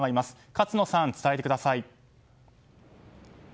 勝野さん、伝えてください。